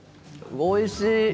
おいしい